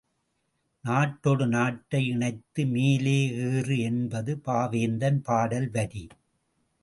நாட்டொடு நாட்டை இணைத்து மேலே ஏறு, என்பது பாவேந்தன் பாடல் வரி.